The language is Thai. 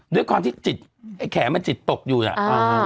ด้วยความที่จิตไอ้แขนมันจิตตกอยู่น่ะอ่า